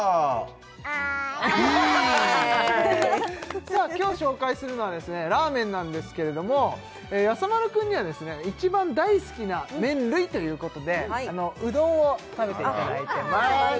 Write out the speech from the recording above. あーいいい今日紹介するのはラーメンなんですけれどもやさ丸くんには一番大好きな麺類ということでうどんを食べていただいてます